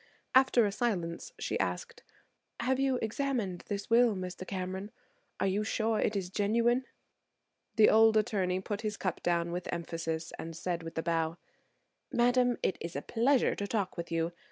After a silence, she asked: "Have you examined this will, Mr. Cameron? Are you sure it is genuine?" The old attorney put his cup down with emphasis and said with a bow: "Madam, it is a pleasure to talk with you.